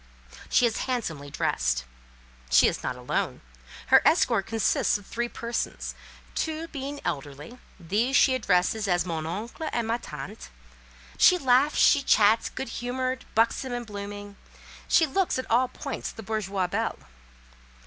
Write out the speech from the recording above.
She is handsomely dressed. She is not alone; her escort consists of three persons—two being elderly; these she addresses as "Mon Oncle" and "Ma Tante." She laughs, she chats; good humoured, buxom, and blooming, she looks, at all points, the bourgeoise belle.